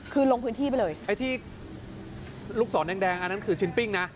คือลงพื้นที่ไปเลยไปที่ลูกศรแดงอันนั้นคือชิ้นปิ้งนะ